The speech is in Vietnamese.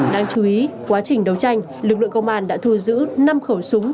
đáng chú ý quá trình đấu tranh lực lượng công an đã thu giữ năm khẩu súng